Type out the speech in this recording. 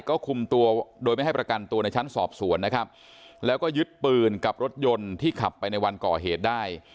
ก็คุมตัวโดยไม่ให้ประกันตัวในชั้นสอบสวนนะครับแล้วก็ยึดปืนกับรถยนต์ที่ขับไปในวันก่อเหตุได้